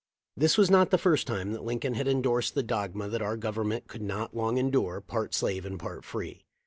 This was not the first time Lincoln had endorsed the dogma that our Government could not long endure part slave and part free.